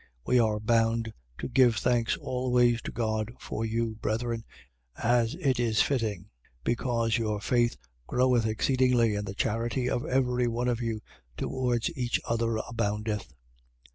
1:3. We are bound to give thanks always to God for you, brethren, as it is fitting, because your faith groweth exceedingly and the charity of every one of you towards each other aboundeth.